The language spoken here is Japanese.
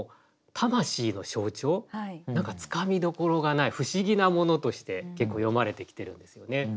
何かつかみどころがない不思議なものとして結構詠まれてきてるんですよね。